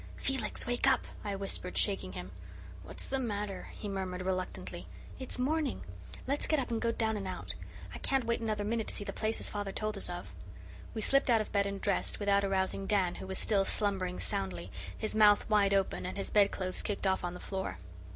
"Felix, wake up," I whispered, shaking him. "What's the matter?" he murmured reluctantly. "It's morning. Let's get up and go down and out. I can't wait another minute to see the places father has told us of." We slipped out of bed and dressed, without arousing Dan, who was still slumbering soundly, his mouth wide open, and his bed clothes kicked off on the floor.